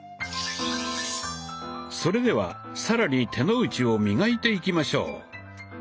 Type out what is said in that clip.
それでは更に手の内を磨いていきましょう。